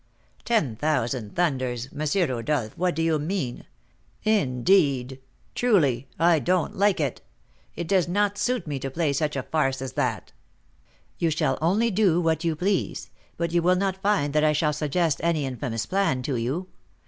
"Ten thousand thunders! M. Rodolph, what do you mean? Indeed truly I don't like it; it does not suit me to play such a farce as that." "You shall only do what you please; but you will not find that I shall suggest any infamous plan to you.